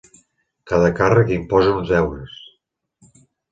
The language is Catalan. Cada càrrec imposa uns deures.